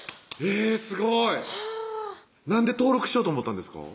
えぇすごいはぁなんで登録しようと思ったんですか？